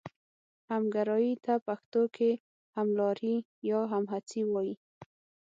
همګرایي ته پښتو کې هملاري یا همهڅي وايي.